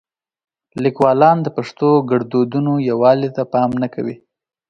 لیکوالان د پښتو د ګړدودونو یووالي ته پام نه کوي.